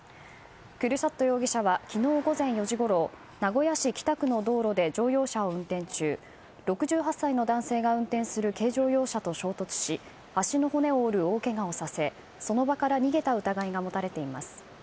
キュルシャット容疑者は昨日午前４時ごろ名古屋市北区の道路で乗用車を運転中６８歳の男性が運転する軽乗用車と衝突し脚の骨を折る大けがをさせその場から逃げた疑いが持たれています。